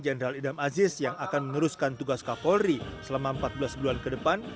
jenderal idam aziz yang akan meneruskan tugas kapolri selama empat belas bulan ke depan